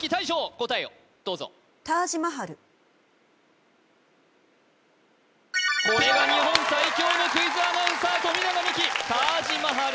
答えをどうぞこれが日本最強のクイズアナウンサー富永美樹タージ・マハル